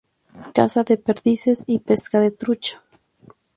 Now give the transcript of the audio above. Caza de perdices y pesca de trucha.